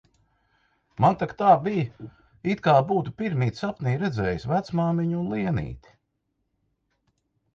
Man tak tā bij, it kā būtu pirmīt sapnī redzējis vecmāmiņu un Lienīti